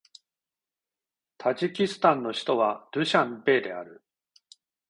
タジキスタンの首都はドゥシャンベである